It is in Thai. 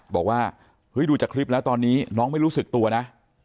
บอกว่าเฮ้ยดูจากคลิปแล้วตอนนี้น้องไม่รู้สึกตัวนะ